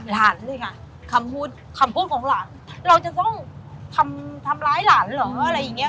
หลานเลยค่ะคำพูดของหลานเราจะต้องทำร้ายหลานเหรออะไรอย่างนี้